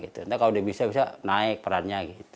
nanti kalau dia bisa bisa naik perannya